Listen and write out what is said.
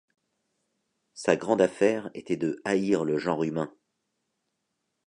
Sa grande affaire était de haïr le genre humain.